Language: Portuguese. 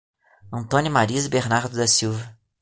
Antônia Mariza Bernardo da Silva